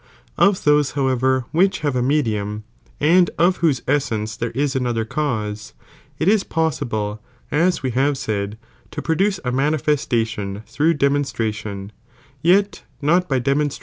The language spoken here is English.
Of those however which have a medium,' and of whose essence there is another cause, It is possible, as we have said, to produce a manifestation through demonstration, yet not by demonstrating wkat they are.